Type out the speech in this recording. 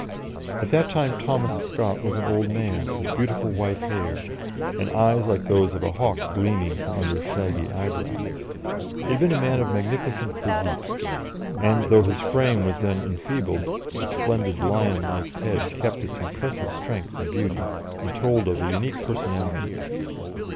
At that time Thomas Scott was an old man, with beautiful white hair, and eyes like those of a hawk gleaming from under shaggy eyebrows. He had been a man of magnificent physique, and, though his frame was then enfeebled, the splendid lion like head kept its impressive strength and beauty, and told of a unique personality.